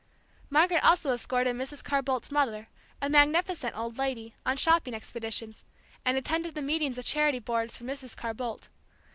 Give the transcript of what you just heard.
Margaret also escorted Mrs. Carr Boldt's mother, a magnificent old lady, on shopping expeditions, and attended the meetings of charity boards for Mrs. Carr Boldt.